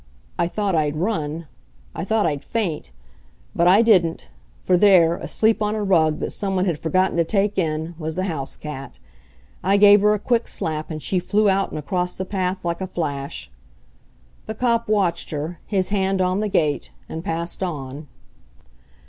I thought I'd run. I thought I'd faint. But I didn't for there, asleep on a rug that some one had forgotten to take in, was the house cat. I gave her a quick slap, and she flew out and across the path like a flash. The cop watched her, his hand on the gate, and passed on.